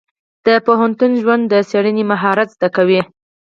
د پوهنتون ژوند د څېړنې مهارت زده کوي.